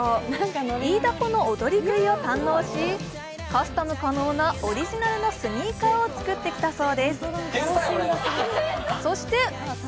イイダコの踊り食いを担当し、カスタム可能なオリジナルのスニーカーを作ってきたそうです。